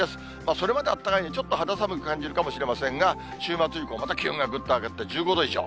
それまであったかいんで、ちょっと肌寒く感じるかもしれませんが、週末以降、また気温がぐっと上がって１５度以上。